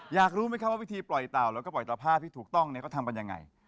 อยากรู้ไหมครับว่าวิธีปล่อยเต่าแล้วก็ปล่อยตภาพที่ถูกต้องเขาทำกันยังไง